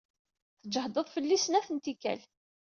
Tjehdeḍ fell-i s snat n tikkal.